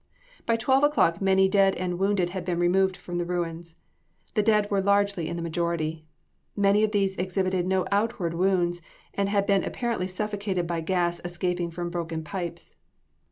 By twelve o'clock many dead and wounded had been removed from the ruins. The dead were largely in the majority. Many of these exhibited no outward wounds, and had been apparently suffocated by gas escaping from broken pipes.